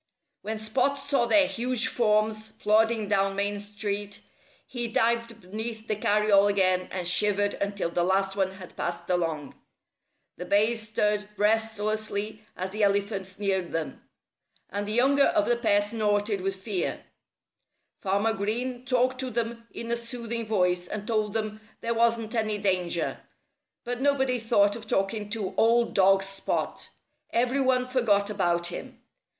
When Spot saw their huge forms plodding down Main Street he dived beneath the carryall again and shivered until the last one had passed along. The bays stirred restlessly as the elephants neared them. And the younger of the pair snorted with fear. Farmer Green talked to them in a soothing voice and told them there wasn't any danger. But nobody thought of talking to old dog Spot. Every one forgot about him.